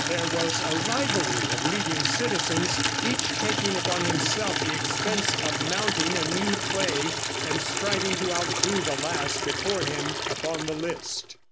There was a rivalry of leading citizens, each taking upon himself the expense of mounting a new play, and striving to outdo the last before him upon the list.